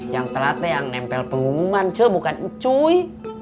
yang telatnya yang nempel pengumuman ce bukan cuy